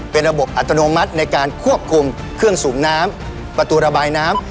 เป็นระบบอัตโนมัติในการควบคุมเครื่องสูบน้ำประตูระบายน้ำ